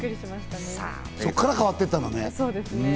そこから変わっていったのね。